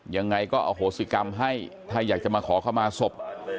ยังไงก็อโหสิกรรมให้ถ้าอยากจะมาขอเข้ามาศพ